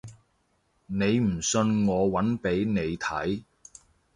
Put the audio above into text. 你唔信我搵俾你睇